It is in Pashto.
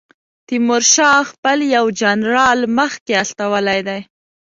تیمورشاه خپل یو جنرال مخکې استولی دی.